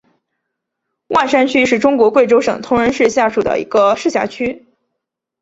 万山区是中国贵州省铜仁市下属的一个市辖区。